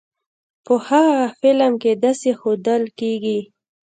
په هغه فلم کې داسې ښودل کېږی.